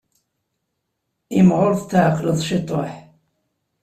Imɣur tetɛeqqleḍ ciṭuḥ.